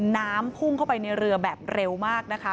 น้ำพุ่งเข้าไปในเรือแบบเร็วมากนะคะ